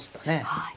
はい。